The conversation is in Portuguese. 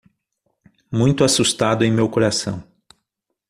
Muito assustado em meu coração